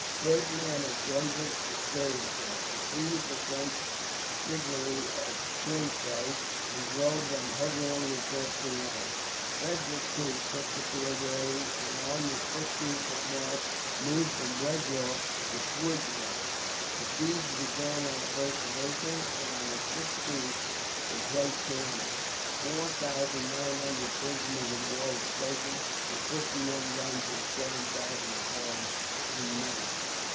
Ferdinand of Brunswick bestirred himself, defeated the French signally at Krefeld, and drove them headlong across the Rhine. Frederick, too, took the field early, and on the 15th of March moved from Breslau upon Schweidnitz. The siege began on the 1st of April, and on the 16th the place surrendered. Four thousand nine hundred prisoners of war were taken, with fifty one guns and 7000 pounds in money.